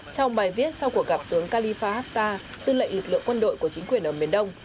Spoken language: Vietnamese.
trong bài viết sau cuộc gặp tướng khalifa haftar tư lệ lực lượng quân đội của chính quyền ở miền đông